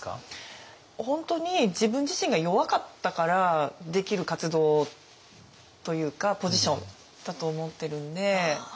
本当に自分自身が弱かったからできる活動というかポジションだと思ってるんで。